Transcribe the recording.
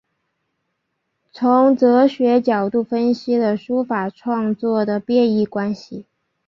从哲学角度分析了书法创作的变易关系。